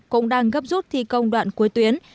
cũng đang gấp rút thi công đoạn cuối tuyến